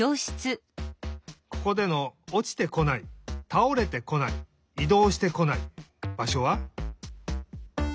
ここでの「おちてこない」「たおれてこない」「いどうしてこない」ばしょは？